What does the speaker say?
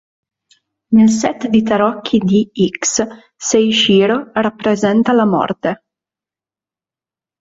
Nel set di tarocchi di "X", Seishiro rappresenta "La Morte".